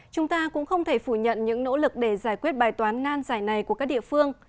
chúng ta cũng không thể phủ nhận những nỗ lực để giải quyết bài toán nan giải này của các địa phương